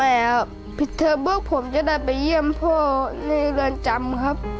ครับเธอปุ๊บผมจะได้ไปเยี่ยมพ่อในเรือนจำครับ